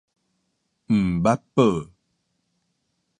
毋捌寶